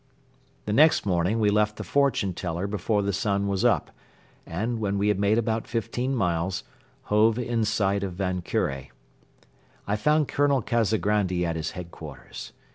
The next morning we left the fortune teller before the sun was up, and, when we had made about fifteen miles, hove in sight of Van Kure. I found Colonel Kazagrandi at his headquarters.